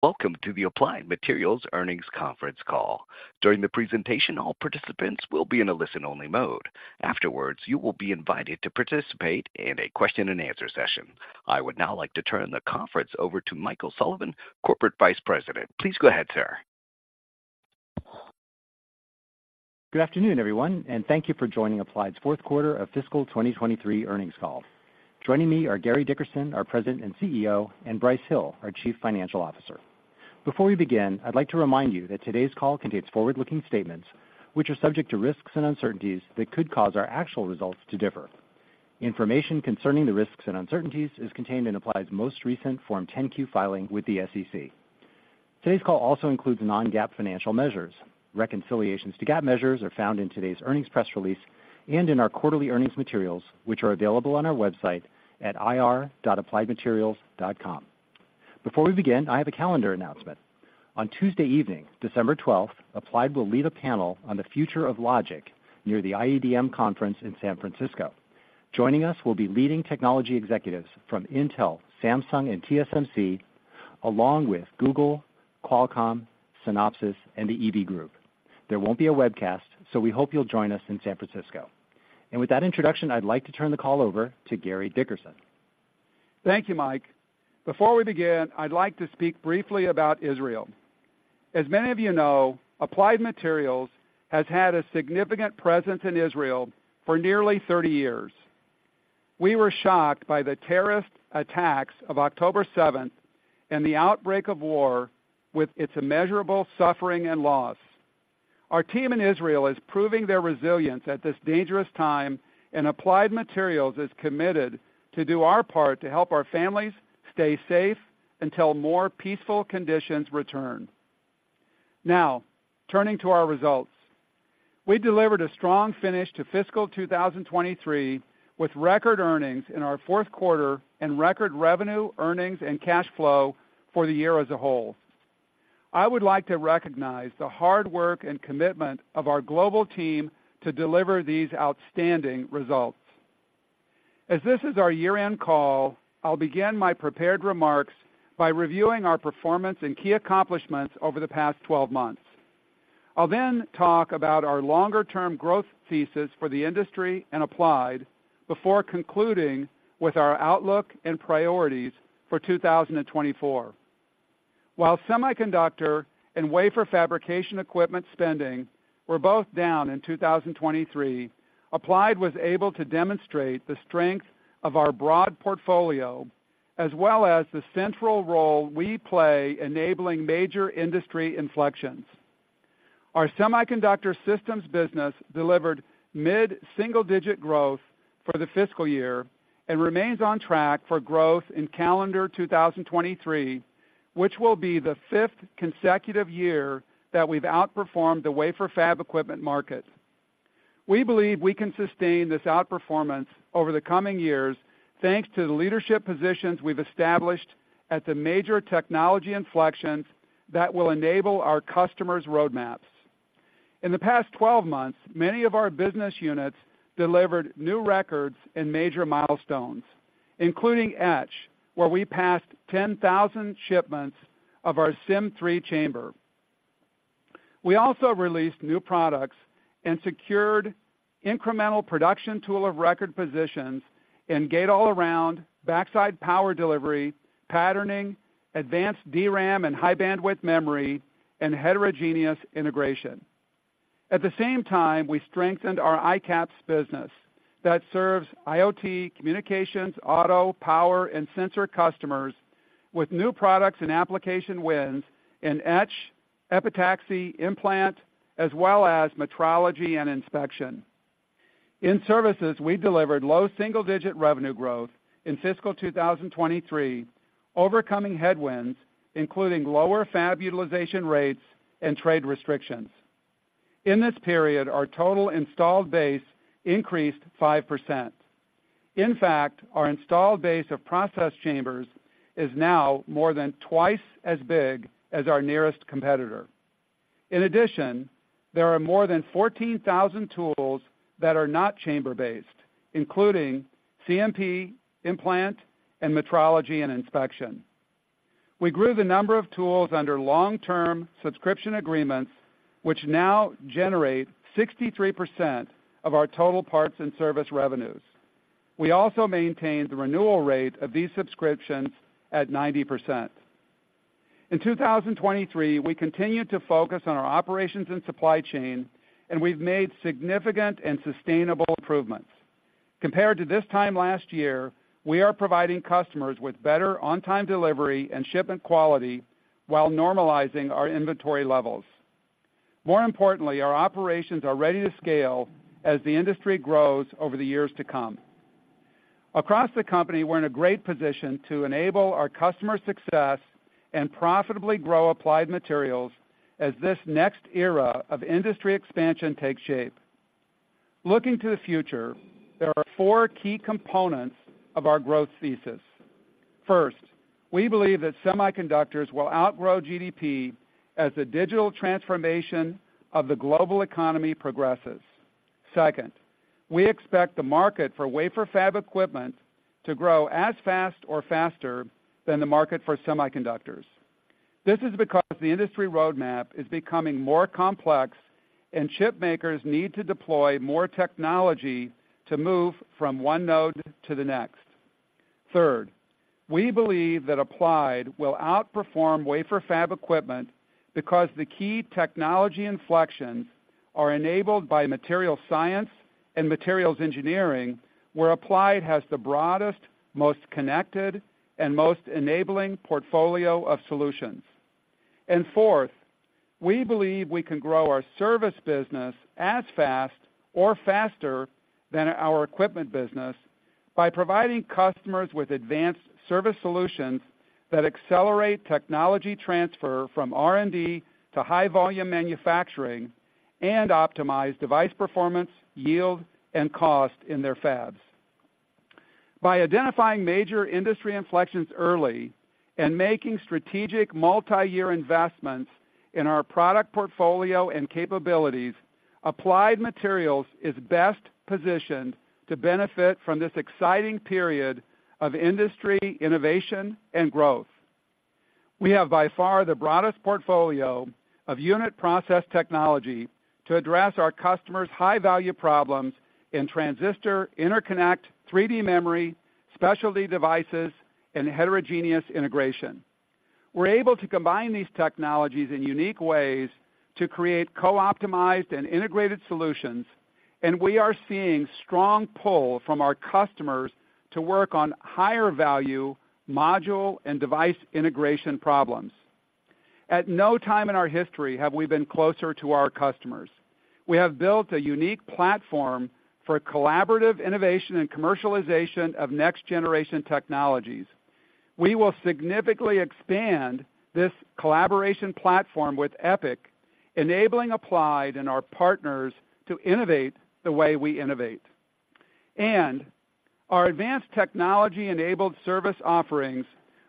Welcome to the Applied Materials Earnings Conference Call. During the presentation, all participants will be in a listen-only mode. Afterwards, you will be invited to participate in a question-and-answer session. I would now like to turn the conference over to Michael Sullivan, Corporate Vice President. Please go ahead, sir. Good afternoon, everyone, and thank you for joining Applied's fourth quarter of fiscal 2023 earnings call. Joining me are Gary Dickerson, our President and CEO, and Brice Hill, our Chief Financial Officer. Before we begin, I'd like to remind you that today's call contains forward-looking statements, which are subject to risks and uncertainties that could cause our actual results to differ. Information concerning the risks and uncertainties is contained in Applied's most recent Form 10-Q filing with the SEC. Today's call also includes non-GAAP financial measures. Reconciliations to GAAP measures are found in today's earnings press release and in our quarterly earnings materials, which are available on our website at ir.appliedmaterials.com. Before we begin, I have a calendar announcement. On Tuesday evening, December twelfth, Applied will lead a panel on the future of logic near the IEDM conference in San Francisco. Joining us will be leading technology executives from Intel, Samsung, and TSMC, along with Google, Qualcomm, Synopsys, and the EV Group. There won't be a webcast, so we hope you'll join us in San Francisco. With that introduction, I'd like to turn the call over to Gary Dickerson. Thank you, Mike. Before we begin, I'd like to speak briefly about Israel. As many of you know, Applied Materials has had a significant presence in Israel for nearly 30 years. We were shocked by the terrorist attacks of October 7 and the outbreak of war with its immeasurable suffering and loss. Our team in Israel is proving their resilience at this dangerous time, and Applied Materials is committed to do our part to help our families stay safe until more peaceful conditions return. Now, turning to our results. We delivered a strong finish to fiscal 2023, with record earnings in our fourth quarter and record revenue, earnings, and cash flow for the year as a whole. I would like to recognize the hard work and commitment of our global team to deliver these outstanding results. As this is our year-end call, I'll begin my prepared remarks by reviewing our performance and key accomplishments over the past 12 months. I'll then talk about our longer-term growth thesis for the industry and Applied before concluding with our outlook and priorities for 2024. While semiconductor and wafer fabrication equipment spending were both down in 2023, Applied was able to demonstrate the strength of our broad portfolio, as well as the central role we play enabling major industry inflections. Our semiconductor systems business delivered mid-single-digit growth for the fiscal year and remains on track for growth in calendar 2023, which will be the fifth consecutive year that we've outperformed the wafer fab equipment market. We believe we can sustain this outperformance over the coming years, thanks to the leadership positions we've established at the major technology inflections that will enable our customers' roadmaps. In the past 12 months, many of our business units delivered new records and major milestones, including etch, where we passed 10,000 shipments of our Sym3 chamber. We also released new products and secured incremental production tool of record positions in gate-all-around, backside power delivery, patterning, advanced DRAM, and high-bandwidth memory, and heterogeneous integration. At the same time, we strengthened our ICAPS business that serves IoT, communications, auto, power, and sensor customers with new products and application wins in etch, epitaxy, implant, as well as metrology and inspection. In services, we delivered low single-digit revenue growth in fiscal 2023, overcoming headwinds, including lower fab utilization rates and trade restrictions. In this period, our total installed base increased 5%. In fact, our installed base of process chambers is now more than twice as big as our nearest competitor. In addition, there are more than 14,000 tools that are not chamber-based, including CMP, implant, and metrology and inspection. We grew the number of tools under long-term subscription agreements, which now generate 63% of our total parts and service revenues. We also maintained the renewal rate of these subscriptions at 90%. In 2023, we continued to focus on our operations and supply chain, and we've made significant and sustainable improvements. Compared to this time last year, we are providing customers with better on-time delivery and shipment quality while normalizing our inventory levels. More importantly, our operations are ready to scale as the industry grows over the years to come. Across the company, we're in a great position to enable our customer success and profitably grow Applied Materials as this next era of industry expansion takes shape. Looking to the future, there are four key components of our growth thesis. First, we believe that semiconductors will outgrow GDP as the digital transformation of the global economy progresses. Second, we expect the market for wafer fab equipment to grow as fast or faster than the market for semiconductors. This is because the industry roadmap is becoming more complex, and chip makers need to deploy more technology to move from one node to the next. Third, we believe that Applied will outperform wafer fab equipment because the key technology inflections are enabled by material science and materials engineering, where Applied has the broadest, most connected, and most enabling portfolio of solutions. Fourth, we believe we can grow our service business as fast or faster than our equipment business by providing customers with advanced service solutions that accelerate technology transfer from R&D to high-volume manufacturing and optimize device performance, yield, and cost in their fabs. By identifying major industry inflections early and making strategic multi-year investments in our product portfolio and capabilities, Applied Materials is best positioned to benefit from this exciting period of industry, innovation, and growth. We have, by far, the broadest portfolio of unit process technology to address our customers' high-value problems in transistor, interconnect, 3D memory, specialty devices, and heterogeneous integration. We're able to combine these technologies in unique ways to create co-optimized and integrated solutions, and we are seeing strong pull from our customers to work on higher-value module and device integration problems. At no time in our history have we been closer to our customers. We have built a unique platform for collaborative innovation and commercialization of next-generation technologies. We will significantly expand this collaboration platform with EPIC, enabling Applied and our partners to innovate the way we innovate. And our advanced technology-enabled service offerings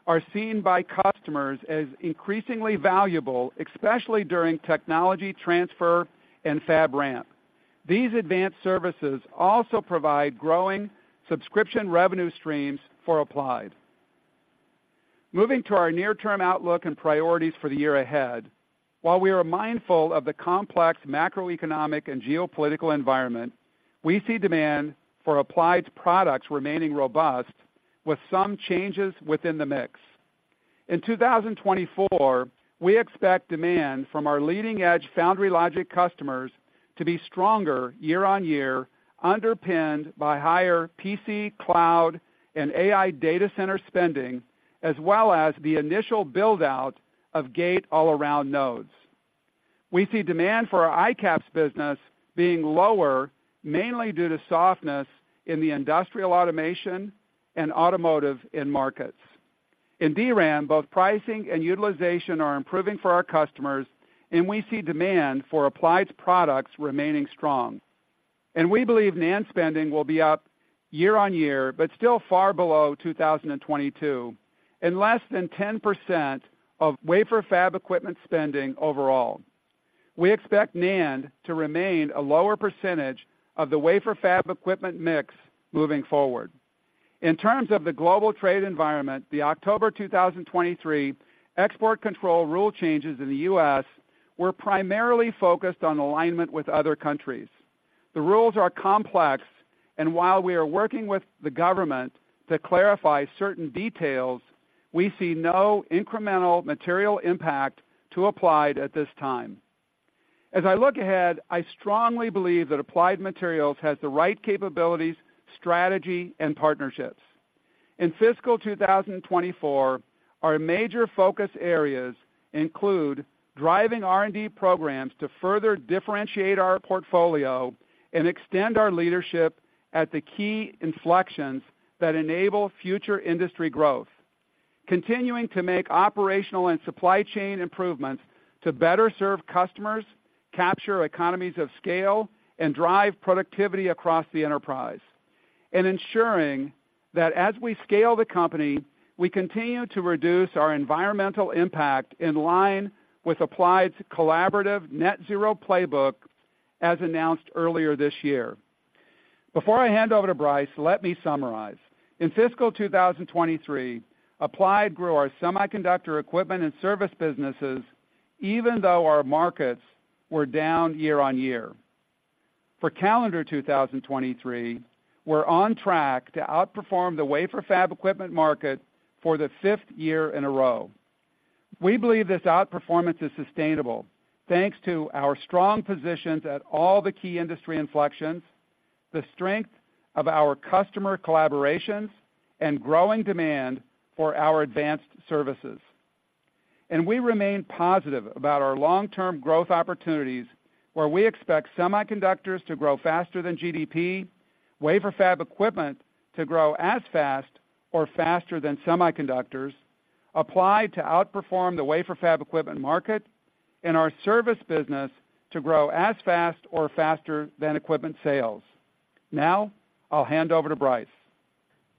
are seen by customers as increasingly valuable, especially during technology transfer and fab ramp. These advanced services also provide growing subscription revenue streams for Applied. Moving to our near-term outlook and priorities for the year ahead, while we are mindful of the complex macroeconomic and geopolitical environment, we see demand for Applied's products remaining robust, with some changes within the mix. In 2024, we expect demand from our leading-edge foundry logic customers to be stronger year-on-year, underpinned by higher PC, cloud, and AI data center spending, as well as the initial build-out of gate-all-around nodes. We see demand for our ICAPS business being lower, mainly due to softness in the industrial automation and automotive end markets. In DRAM, both pricing and utilization are improving for our customers, and we see demand for Applied's products remaining strong. We believe NAND spending will be up year-on-year, but still far below 2022, and less than 10% of wafer fab equipment spending overall. We expect NAND to remain a lower percentage of the wafer fab equipment mix moving forward. In terms of the global trade environment, the October 2023 export control rule changes in the U.S. were primarily focused on alignment with other countries. The rules are complex, and while we are working with the government to clarify certain details, we see no incremental material impact to Applied at this time. As I look ahead, I strongly believe that Applied Materials has the right capabilities, strategy, and partnerships. In fiscal 2024, our major focus areas include driving R&D programs to further differentiate our portfolio and extend our leadership at the key inflections that enable future industry growth, continuing to make operational and supply chain improvements to better serve customers, capture economies of scale, and drive productivity across the enterprise, and ensuring that as we scale the company, we continue to reduce our environmental impact in line with Applied's collaborative Net Zero Playbook, as announced earlier this year. Before I hand over to Brice, let me summarize. In fiscal 2023, Applied grew our semiconductor equipment and service businesses, even though our markets were down year-on-year. For calendar 2023, we're on track to outperform the wafer fab equipment market for the fifth year in a row. We believe this outperformance is sustainable, thanks to our strong positions at all the key industry inflections, the strength of our customer collaborations, and growing demand for our advanced services. We remain positive about our long-term growth opportunities, where we expect semiconductors to grow faster than GDP, wafer fab equipment to grow as fast or faster than semiconductors, Applied to outperform the wafer fab equipment market, and our service business to grow as fast or faster than equipment sales. Now, I'll hand over to Brice....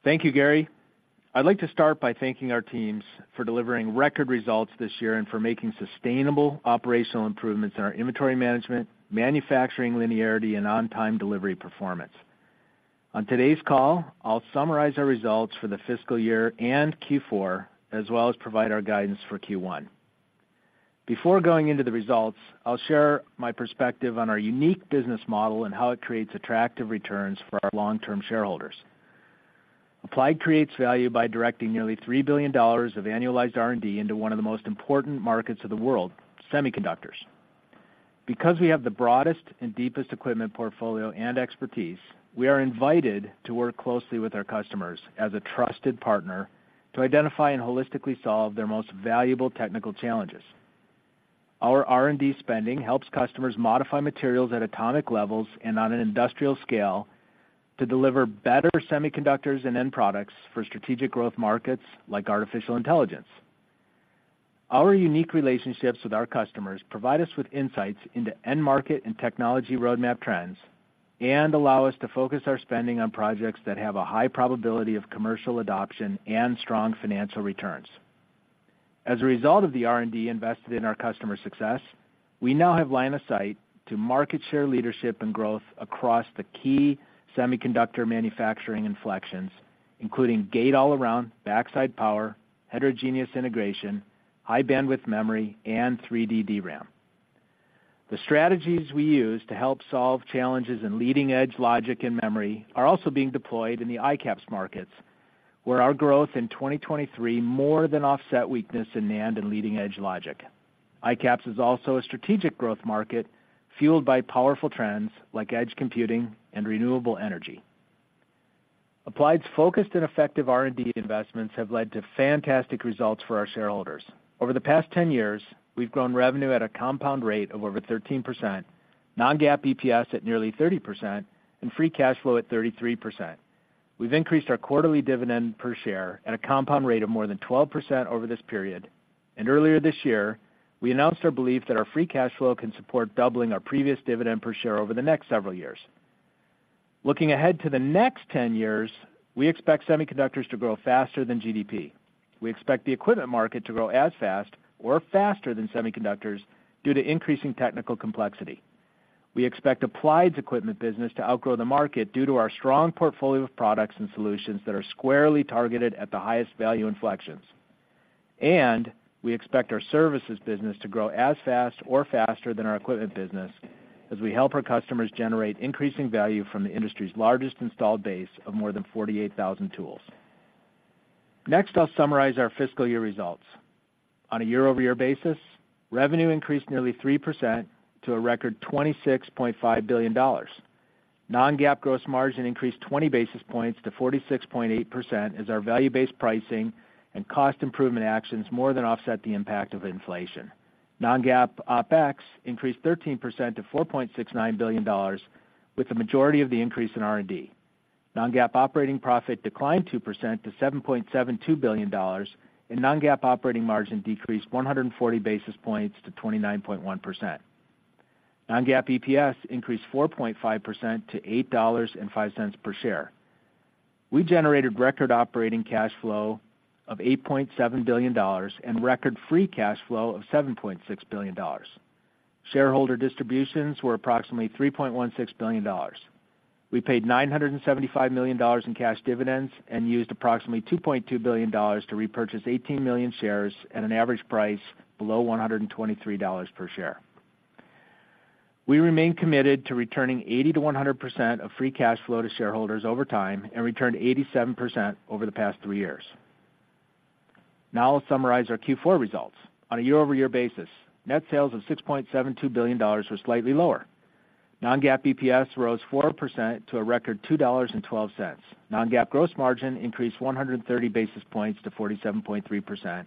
Thank you, Gary. I'd like to start by thanking our teams for delivering record results this year and for making sustainable operational improvements in our inventory management, manufacturing linearity, and on-time delivery performance. On today's call, I'll summarize our results for the fiscal year and Q4, as well as provide our guidance for Q1. Before going into the results, I'll share my perspective on our unique business model and how it creates attractive returns for our long-term shareholders. Applied creates value by directing nearly $3 billion of annualized R&D into one of the most important markets of the world, semiconductors. Because we have the broadest and deepest equipment portfolio and expertise, we are invited to work closely with our customers as a trusted partner to identify and holistically solve their most valuable technical challenges. Our R&D spending helps customers modify materials at atomic levels and on an industrial scale to deliver better semiconductors and end products for strategic growth markets like artificial intelligence. Our unique relationships with our customers provide us with insights into end market and technology roadmap trends, and allow us to focus our spending on projects that have a high probability of commercial adoption and strong financial returns. As a result of the R&D invested in our customer success, we now have line of sight to market share leadership and growth across the key semiconductor manufacturing inflections, including gate-all-around, backside power, Heterogeneous Integration, high-bandwidth memory, and 3D DRAM. The strategies we use to help solve challenges in leading-edge logic and memory are also being deployed in the ICAPS markets, where our growth in 2023 more than offset weakness in NAND and leading-edge logic. ICAPS is also a strategic growth market, fueled by powerful trends like edge computing and renewable energy. Applied's focused and effective R&D investments have led to fantastic results for our shareholders. Over the past 10 years, we've grown revenue at a compound rate of over 13%, non-GAAP EPS at nearly 30%, and free cash flow at 33%. We've increased our quarterly dividend per share at a compound rate of more than 12% over this period, and earlier this year, we announced our belief that our free cash flow can support doubling our previous dividend per share over the next several years. Looking ahead to the next 10 years, we expect semiconductors to grow faster than GDP. We expect the equipment market to grow as fast or faster than semiconductors due to increasing technical complexity. We expect Applied's equipment business to outgrow the market due to our strong portfolio of products and solutions that are squarely targeted at the highest value inflections. And we expect our services business to grow as fast or faster than our equipment business as we help our customers generate increasing value from the industry's largest installed base of more than 48,000 tools. Next, I'll summarize our fiscal year results. On a year-over-year basis, revenue increased nearly 3% to a record $26.5 billion. Non-GAAP gross margin increased 20 basis points to 46.8% as our value-based pricing and cost improvement actions more than offset the impact of inflation. Non-GAAP OpEx increased 13% to $4.69 billion, with the majority of the increase in R&D. Non-GAAP operating profit declined 2% to $7.72 billion, and non-GAAP operating margin decreased 140 basis points to 29.1%. Non-GAAP EPS increased 4.5% to $8.05 per share. We generated record operating cash flow of $8.7 billion and record free cash flow of $7.6 billion. Shareholder distributions were approximately $3.16 billion. We paid $975 million in cash dividends and used approximately $2.2 billion to repurchase 18 million shares at an average price below $123 per share. We remain committed to returning 80%-100% of free cash flow to shareholders over time and returned 87% over the past three years. Now I'll summarize our Q4 results. On a year-over-year basis, net sales of $6.72 billion were slightly lower. Non-GAAP EPS rose 4% to a record $2.12. Non-GAAP gross margin increased 130 basis points to 47.3%,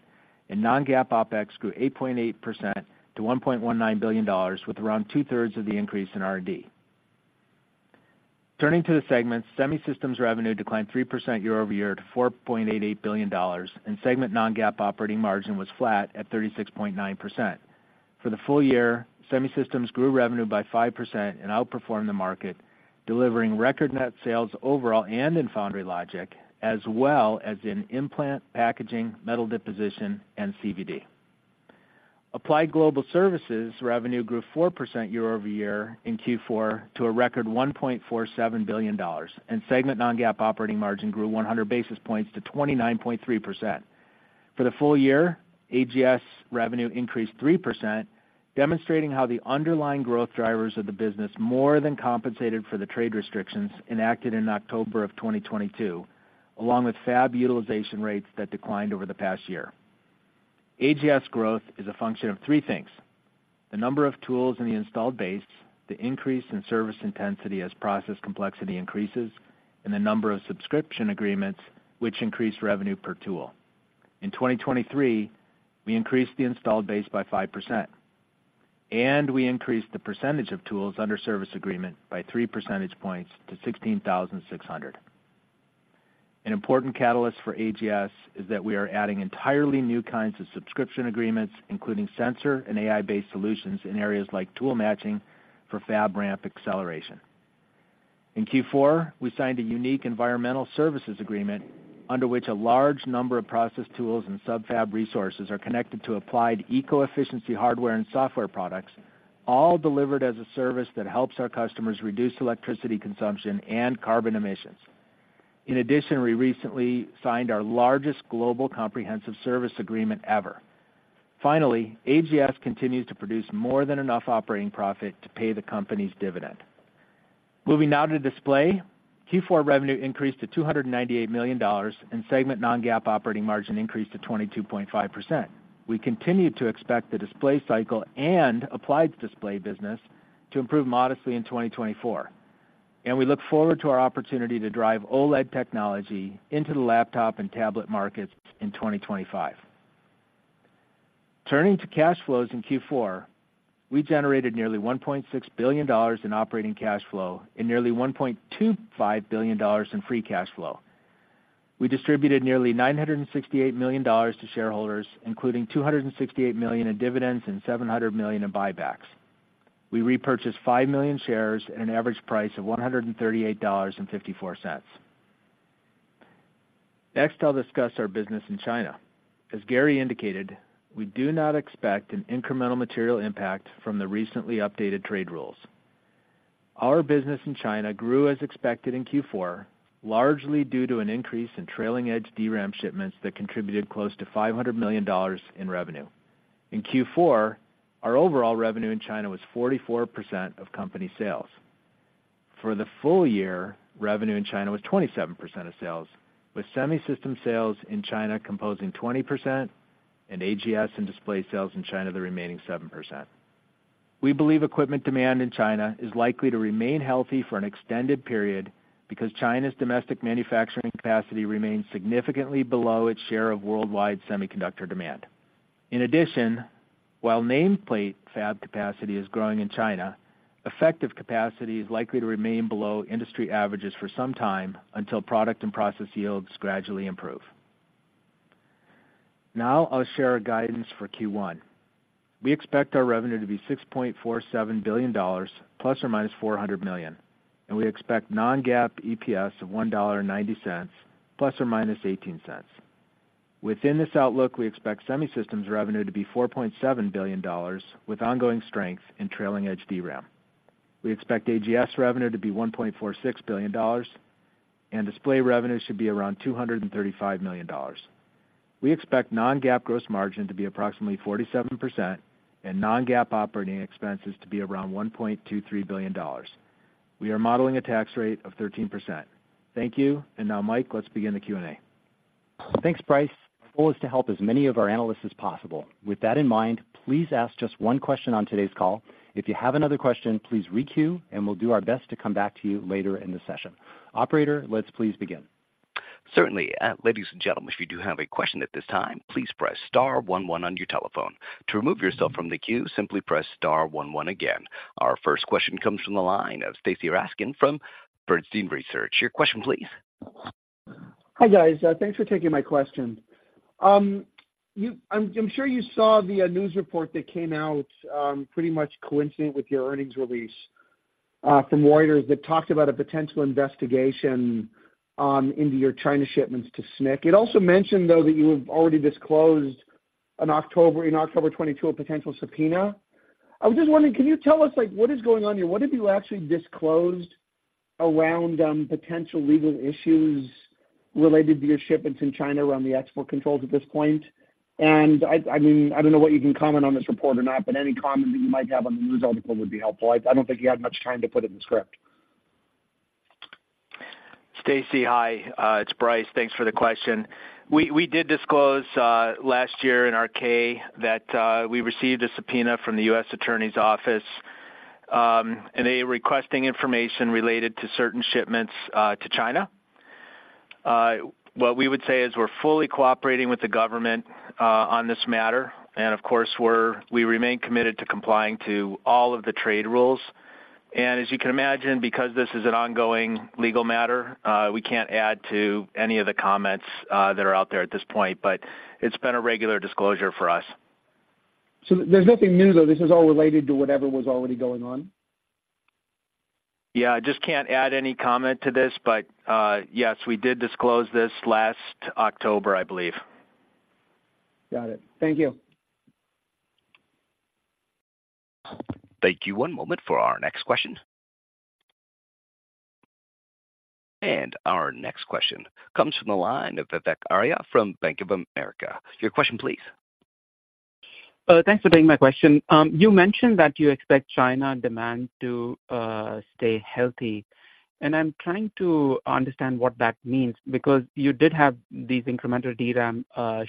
and non-GAAP OpEx grew 8.8% to $1.19 billion, with around two-thirds of the increase in R&D. Turning to the segments, Semi Systems revenue declined 3% year-over-year to $4.88 billion, and segment non-GAAP operating margin was flat at 36.9%. For the full year, Semi Systems grew revenue by 5% and outperformed the market, delivering record net sales overall and in foundry logic, as well as in implant, packaging, metal deposition, and CVD. Applied Global Services revenue grew 4% year-over-year in Q4 to a record $1.47 billion, and segment non-GAAP operating margin grew 100 basis points to 29.3%. For the full year, AGS revenue increased 3%, demonstrating how the underlying growth drivers of the business more than compensated for the trade restrictions enacted in October 2022, along with fab utilization rates that declined over the past year. AGS growth is a function of three things: the number of tools in the installed base, the increase in service intensity as process complexity increases, and the number of subscription agreements, which increase revenue per tool. In 2023, we increased the installed base by 5%, and we increased the percentage of tools under service agreement by 3 percentage points to 16,600. An important catalyst for AGS is that we are adding entirely new kinds of subscription agreements, including sensor and AI-based solutions in areas like tool matching for fab ramp acceleration. In Q4, we signed a unique environmental services agreement under which a large number of process tools and sub-fab resources are connected to Applied eco-efficiency hardware and software products, all delivered as a service that helps our customers reduce electricity consumption and carbon emissions. In addition, we recently signed our largest global comprehensive service agreement ever. Finally, AGS continues to produce more than enough operating profit to pay the company's dividend. Moving now to display. Q4 revenue increased to $298 million, and segment Non-GAAP operating margin increased to 22.5%. We continue to expect the display cycle and Applied's display business to improve modestly in 2024, and we look forward to our opportunity to drive OLED technology into the laptop and tablet markets in 2025. Turning to cash flows in Q4, we generated nearly $1.6 billion in operating cash flow and nearly $1.25 billion in free cash flow. We distributed nearly $968 million to shareholders, including $268 million in dividends and $700 million in buybacks. We repurchased 5 million shares at an average price of $138.54. Next, I'll discuss our business in China. As Gary indicated, we do not expect an incremental material impact from the recently updated trade rules. Our business in China grew as expected in Q4, largely due to an increase in trailing-edge DRAM shipments that contributed close to $500 million in revenue. In Q4, our overall revenue in China was 44% of company sales. For the full year, revenue in China was 27% of sales, with semi-system sales in China composing 20% and AGS and display sales in China, the remaining 7%. We believe equipment demand in China is likely to remain healthy for an extended period because China's domestic manufacturing capacity remains significantly below its share of worldwide semiconductor demand. In addition, while nameplate fab capacity is growing in China, effective capacity is likely to remain below industry averages for some time, until product and process yields gradually improve. Now I'll share our guidance for Q1. We expect our revenue to be $6.47 billion ±$400 million, and we expect non-GAAP EPS of $1.90 ±$0.18. Within this outlook, we expect semi systems revenue to be $4.7 billion, with ongoing strength in trailing-edge DRAM. We expect AGS revenue to be $1.46 billion, and display revenue should be around $235 million. We expect non-GAAP gross margin to be approximately 47% and non-GAAP operating expenses to be around $1.23 billion. We are modeling a tax rate of 13%. Thank you. And now, Mike, let's begin the Q&A. Thanks, Brice. Our goal is to help as many of our analysts as possible. With that in mind, please ask just one question on today's call. If you have another question, please re-queue, and we'll do our best to come back to you later in the session. Operator, let's please begin. Certainly. Ladies and gentlemen, if you do have a question at this time, please press star one one on your telephone. To remove yourself from the queue, simply press star one one again. Our first question comes from the line of Stacy Rasgon from Bernstein Research. Your question please. Hi, guys, thanks for taking my question. I'm sure you saw the news report that came out pretty much coincident with your earnings release from Reuters that talked about a potential investigation into your China shipments to SMIC. It also mentioned, though, that you have already disclosed in October 2022 a potential subpoena. I was just wondering, can you tell us, like, what is going on here? What have you actually disclosed around potential legal issues related to your shipments in China around the export controls at this point? And I mean, I don't know what you can comment on this report or not, but any comment that you might have on the news article would be helpful. I don't think you had much time to put it in the script. Stacy, hi, it's Brice. Thanks for the question. We did disclose last year in our K that we received a subpoena from the U.S. Attorney's Office, and they were requesting information related to certain shipments to China. What we would say is we're fully cooperating with the government on this matter, and of course, we're, we remain committed to complying to all of the trade rules. And as you can imagine, because this is an ongoing legal matter, we can't add to any of the comments that are out there at this point, but it's been a regular disclosure for us. So there's nothing new, though. This is all related to whatever was already going on? Yeah, I just can't add any comment to this. But, yes, we did disclose this last October, I believe. Got it. Thank you. Thank you. One moment for our next question. Our next question comes from the line of Vivek Arya from Bank of America. Your question please. Thanks for taking my question. You mentioned that you expect China demand to stay healthy, and I'm trying to understand what that means, because you did have these incremental DRAM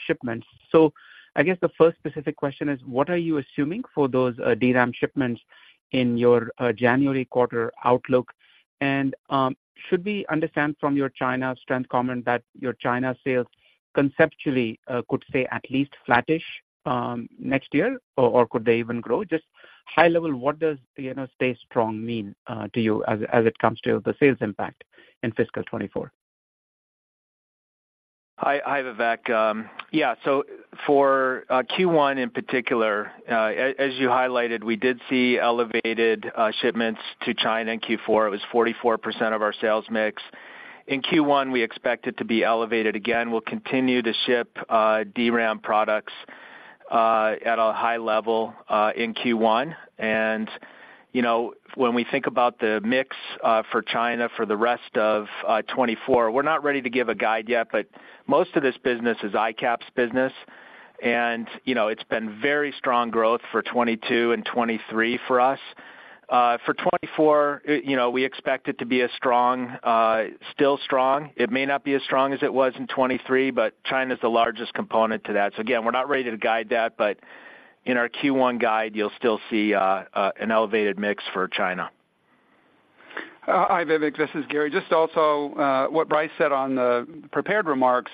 shipments. So I guess the first specific question is: What are you assuming for those DRAM shipments in your January quarter outlook? And should we understand from your China strength comment that your China sales conceptually could stay at least flattish next year, or could they even grow? Just high level, what does, you know, stay strong mean to you as it comes to the sales impact in fiscal 2024?... Hi. Hi, Vivek. Yeah, so for Q1 in particular, as you highlighted, we did see elevated shipments to China in Q4. It was 44% of our sales mix. In Q1, we expect it to be elevated again. We'll continue to ship DRAM products at a high level in Q1. And, you know, when we think about the mix for China for the rest of 2024, we're not ready to give a guide yet, but most of this business is ICAPS business. And, you know, it's been very strong growth for 2022 and 2023 for us. For 2024, you know, we expect it to be as strong, still strong. It may not be as strong as it was in 2023, but China is the largest component to that. So again, we're not ready to guide that, but in our Q1 guide, you'll still see an elevated mix for China. Hi, Vivek. This is Gary. Just also, what Brice said on the prepared remarks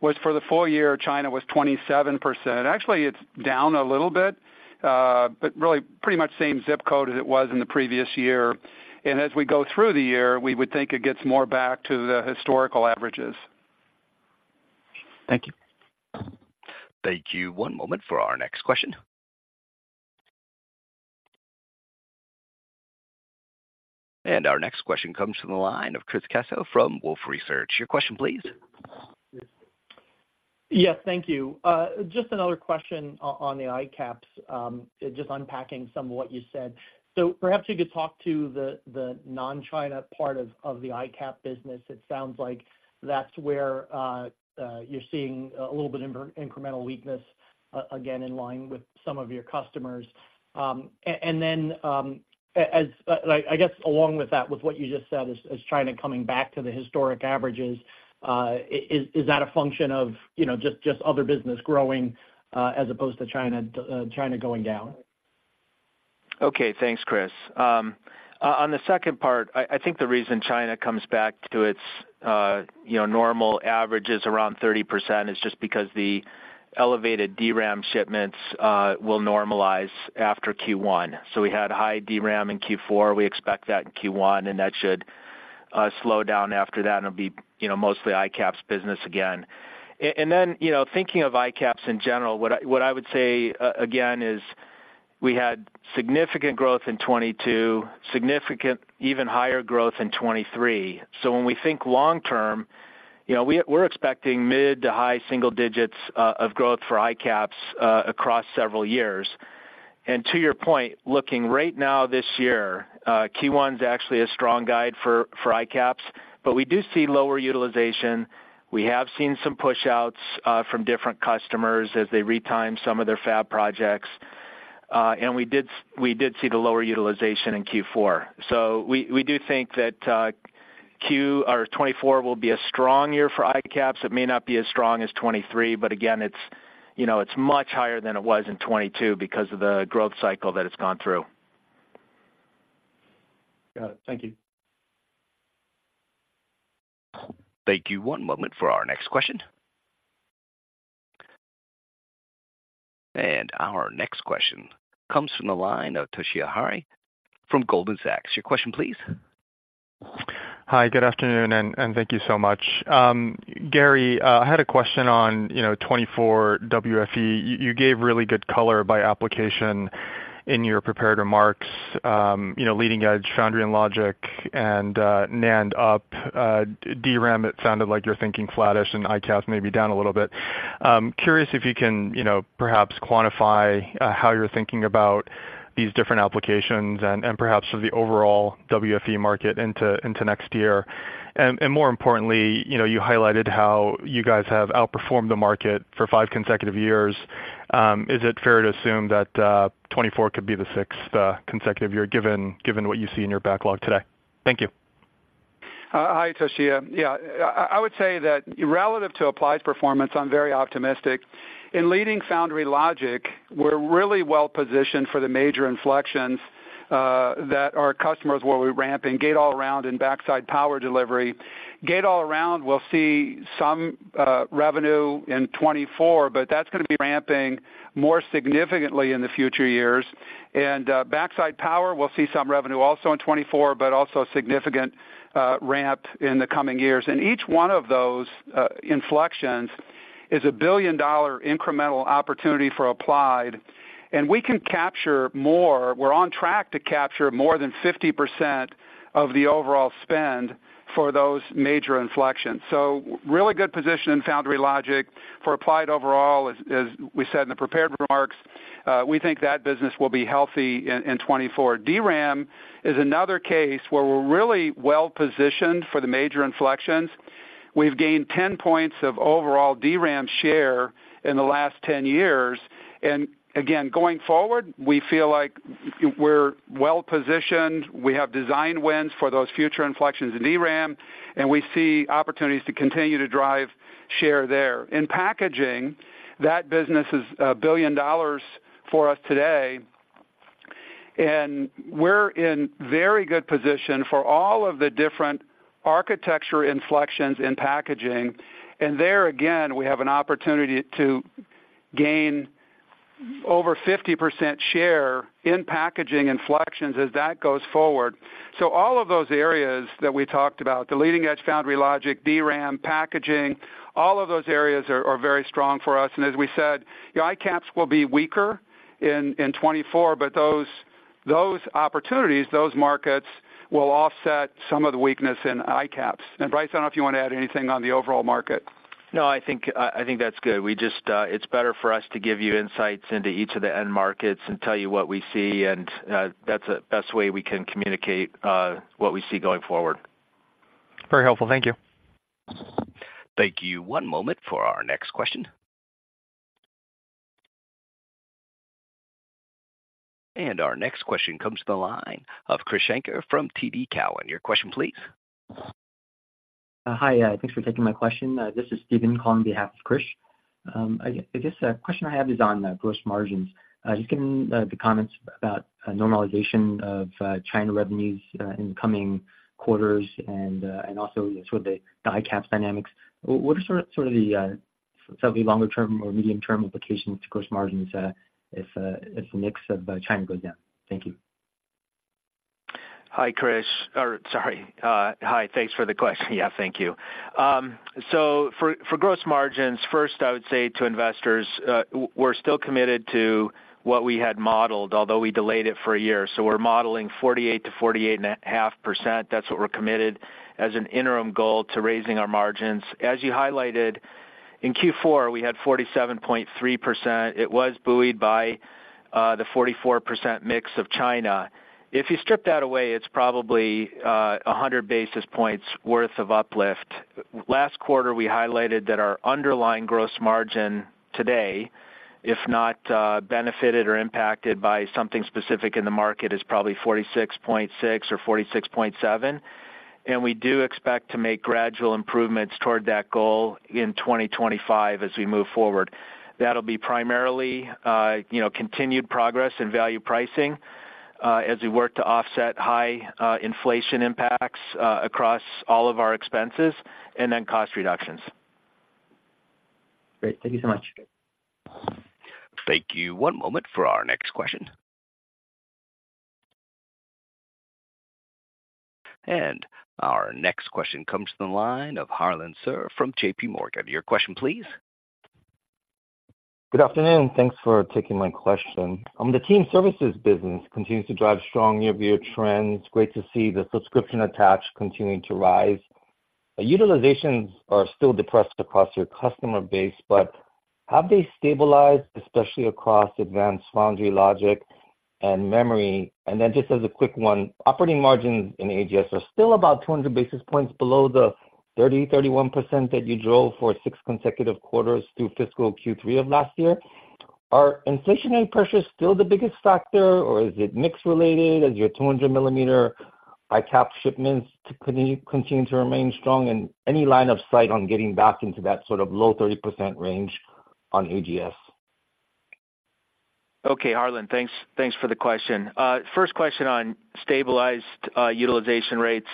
was, for the full year, China was 27%. Actually, it's down a little bit, but really pretty much same zip code as it was in the previous year. And as we go through the year, we would think it gets more back to the historical averages. Thank you. Thank you. One moment for our next question. Our next question comes from the line of Chris Caso from Wolfe Research. Your question, please. Yes, thank you. Just another question on the ICAPS, just unpacking some of what you said. So perhaps you could talk to the, the non-China part of, of the ICAPS business. It sounds like that's where you're seeing a little bit incremental weakness, again, in line with some of your customers. And then, I guess along with that, with what you just said, as China coming back to the historic averages, is that a function of, you know, just other business growing, as opposed to China going down? Okay, thanks, Chris. On the second part, I, I think the reason China comes back to its, you know, normal average is around 30%, is just because the elevated DRAM shipments will normalize after Q1. So we had high DRAM in Q4. We expect that in Q1, and that should slow down after that, and it'll be, you know, mostly ICAPS business again. And then, you know, thinking of ICAPS in general, what I, what I would say again, is we had significant growth in 2022, significant even higher growth in 2023. So when we think long term, you know, we're expecting mid to high single digits of growth for ICAPS across several years. And to your point, looking right now this year, Q1 is actually a strong guide for, for ICAPS, but we do see lower utilization. We have seen some pushouts from different customers as they retime some of their fab projects. We did see the lower utilization in Q4. So we do think that 2024 will be a strong year for ICAPS. It may not be as strong as 2023, but again, it's, you know, it's much higher than it was in 2022 because of the growth cycle that it's gone through. Got it. Thank you. Thank you. One moment for our next question. Our next question comes from the line of Toshiya Hari from Goldman Sachs. Your question, please. Hi, good afternoon, and thank you so much. Gary, I had a question on, you know, 2024 WFE. You gave really good color by application in your prepared remarks, you know, leading edge, foundry and logic, and NAND up, DRAM, it sounded like you're thinking flattish, and ICAPS may be down a little bit. Curious if you can, you know, perhaps quantify how you're thinking about these different applications and perhaps just the overall WFE market into next year. And more importantly, you know, you highlighted how you guys have outperformed the market for five consecutive years. Is it fair to assume that 2024 could be the sixth consecutive year, given what you see in your backlog today? Thank you. Hi, Toshiya. Yeah, I, I would say that relative to Applied's performance, I'm very optimistic. In leading foundry logic, we're really well positioned for the major inflections that our customers will be ramping, gate-all-around and backside power delivery. gate-all-around, we'll see some revenue in 2024, but that's going to be ramping more significantly in the future years. And backside power, we'll see some revenue also in 2024, but also significant ramp in the coming years. And each one of those inflections is a billion-dollar incremental opportunity for Applied, and we can capture more. We're on track to capture more than 50% of the overall spend for those major inflections. So really good position in foundry logic. For Applied overall, as we said in the prepared remarks, we think that business will be healthy in 2024. DRAM is another case where we're really well positioned for the major inflections. We've gained 10 points of overall DRAM share in the last 10 years. And again, going forward, we feel like we're well positioned. We have design wins for those future inflections in DRAM, and we see opportunities to continue to drive share there. In packaging, that business is $1 billion for us today, and we're in very good position for all of the different architecture inflections in packaging. And there, again, we have an opportunity to gain... over 50% share in packaging and inflections as that goes forward. So all of those areas that we talked about, the leading-edge foundry logic, DRAM, packaging, all of those areas are very strong for us. And as we said, your ICAPS will be weaker in 2024, but those opportunities, those markets will offset some of the weakness in ICAPS. And Brice, I don't know if you want to add anything on the overall market. No, I think, I think that's good. We just, it's better for us to give you insights into each of the end markets and tell you what we see, and, that's the best way we can communicate, what we see going forward. Very helpful. Thank you. Thank you. One moment for our next question. Our next question comes to the line of Krish Sankar from TD Cowen. Your question, please. Hi, thanks for taking my question. This is Steven calling on behalf of Krish. I guess question I have is on gross margins. Just given the comments about normalization of China revenues in coming quarters and also sort of the ICAPS dynamics, what are sort of the longer term or medium-term implications to gross margins, if the mix of China goes down? Thank you. Hi, Krish, or sorry. Hi, thanks for the question. Yeah, thank you. So for gross margins, first, I would say to investors, we're still committed to what we had modeled, although we delayed it for a year. So we're modeling 48%-48.5%. That's what we're committed as an interim goal to raising our margins. As you highlighted, in Q4, we had 47.3%. It was buoyed by the 44% mix of China. If you strip that away, it's probably a 100 basis points worth of uplift. Last quarter, we highlighted that our underlying gross margin today, if not benefited or impacted by something specific in the market, is probably 46.6 or 46.7, and we do expect to make gradual improvements toward that goal in 2025 as we move forward. That'll be primarily, you know, continued progress in value pricing, as we work to offset high inflation impacts across all of our expenses, and then cost reductions. Great. Thank you so much. Thank you. One moment for our next question. Our next question comes to the line of Harlan Sur from JPMorgan. Your question, please. Good afternoon. Thanks for taking my question. The team services business continues to drive strong year-over-year trends. Great to see the subscription attached continuing to rise. Utilizations are still depressed across your customer base, but have they stabilized, especially across advanced foundry logic and memory? And then, just as a quick one, operating margins in AGS are still about 200 basis points below the 30%-31% that you drove for 6 consecutive quarters through fiscal Q3 of last year. Are inflationary pressures still the biggest factor, or is it mix related as your 200 mm ICAPS shipments continue to remain strong, and any line of sight on getting back into that sort of low 30% range on AGS? Okay, Harlan, thanks. Thanks for the question. First question on stabilized utilization rates.